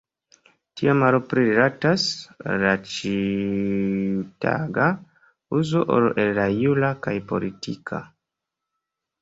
Tio malpli rilatas al la ĉiutaga uzo ol al la jura kaj politika.